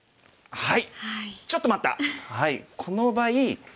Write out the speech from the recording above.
はい。